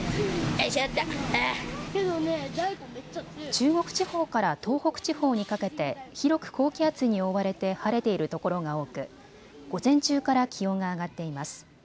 中国地方から東北地方にかけて広く高気圧に覆われて晴れているところが多く、午前中から気温が上がっています。